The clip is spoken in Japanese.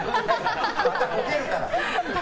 また、こけるから。